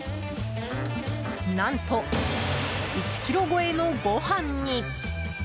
何と１ｋｇ超えのご飯に。